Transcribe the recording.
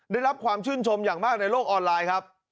ได้รับความชื่นชมอย่างมากในโลกออนไลน์ครับ